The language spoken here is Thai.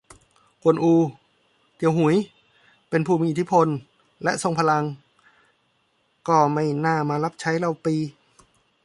กวนอู เตียวหุย เป็นผู้มีอิทธิพล และทรงพลัง ก็ไม่น่ามารับใช้เล่าปี่